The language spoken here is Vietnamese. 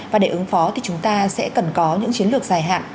và để ứng phó thì chúng ta sẽ cần có những chiến lược dài hạn